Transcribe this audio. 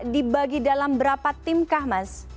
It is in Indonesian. dibagi dalam berapa timkah mas